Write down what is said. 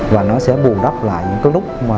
và nó sẽ bù đắp lại những cái lúc mà